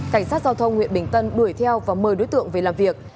cảnh sát giao thông huyện bình tân đuổi theo và mời đối tượng về làm việc